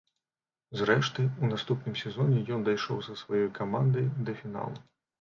Зрэшты, у наступным сезоне ён дайшоў са сваёй камандай да фіналу.